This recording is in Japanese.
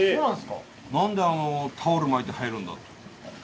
「何でタオル巻いて入るんだ」と。